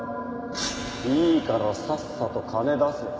いいからさっさと金出せよ。